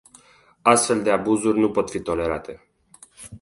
Astfel de abuzuri nu pot fi tolerate.